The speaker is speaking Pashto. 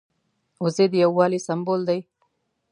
وزې د یو والي سمبول دي